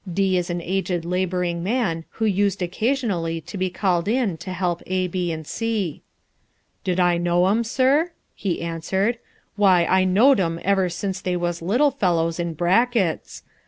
D is an aged labouring man who used occasionally to be called in to help A, B, and C. "Did I know 'em, sir?" he answered, "why, I knowed 'em ever since they was little fellows in brackets.